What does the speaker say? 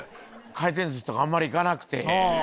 回転寿司とかあんまり行かなくて。